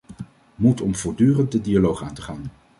Moed om voortdurend de dialoog aan te gaan.